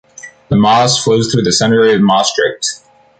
The Maas flows through the center of Maastricht.